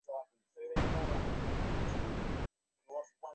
বিষণ্নতার কারণে মাদকাসক্তি থেকে শুরু করে আত্মহত্যার মতো ঘটনা ঘটতে পারে।